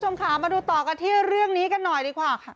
คุณผู้ชมค่ะมาดูต่อกันที่เรื่องนี้กันหน่อยดีกว่าค่ะ